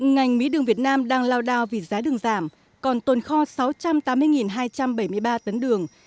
ngành mía đường việt nam đang lao đao vì giá đường giảm còn tồn kho sáu trăm tám mươi hai trăm bảy mươi ba tấn đường